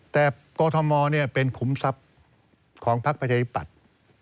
แต่กรทมเป็นขุมทรัพย์ของพักประชาธิปัตย์